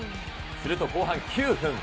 すると後半９分。